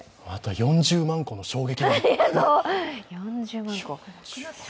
４０万個も衝撃。